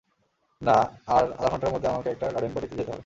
না, আর আধা ঘণ্টার মধ্যে আমাকে একটা গার্ডেন-পার্টিতে যেতে হবে।